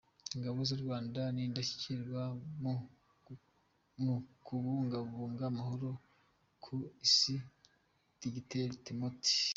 Ingabo z’u Rwanda ni indashyikirwa mu kubungabunga amahoro ku Isi- Dogiteri Temoti